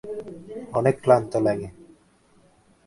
অনেক ক্লান্ত লাগে।